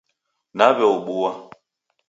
Naw'eobua